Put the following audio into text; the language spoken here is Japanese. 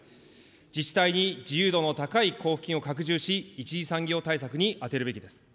自治体に自由度の高い交付金を拡充し、一次産業対策に充てるべきです。